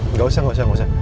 nggak usah nggak usah